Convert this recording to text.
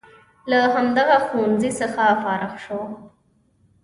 له همدغه ښوونځي څخه فارغ شو.